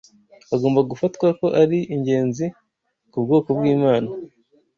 agomba gufatwa ko ari ingenzi ku bwoko bw’Imana